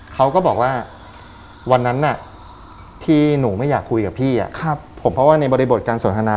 เขาก็บอกว่าวันนั้นที่หนูไม่อยากคุยกับพี่ผมเพราะว่าในบริบทการสนทนา